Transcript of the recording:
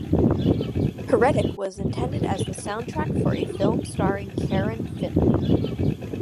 "Heretic" was intended as the soundtrack for a film starring Karen Finley.